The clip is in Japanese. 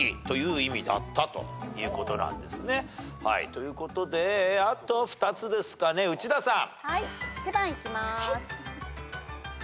ということであと２つですかね内田さん。